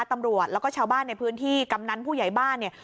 ตำรวจแล้วก็ชาวบ้านในพื้นที่กำนันผู้ใหญ่บ้านเนี่ย